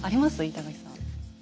板垣さん。